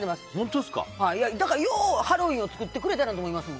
だからようハロウィーンを作ってくれたなと思います。